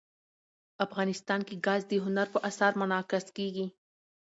افغانستان کې ګاز د هنر په اثار کې منعکس کېږي.